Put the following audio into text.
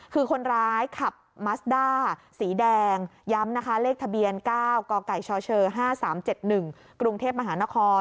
คือคนร้ายขับมัสด้าสีแดงย้ำนะคะเลขทะเบียน๙กกชช๕๓๗๑กรุงเทพมหานคร